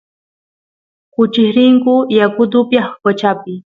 kuchis rinku yakut upyaq qochapi